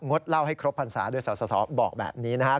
งดเล่าให้ครบภัณฑ์ศาสตร์ด้วยสสบอกแบบนี้นะครับ